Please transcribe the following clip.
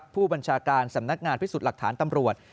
ผู้บัญชาการสำนักงานพิสูจน์หลักฐานตำรวจ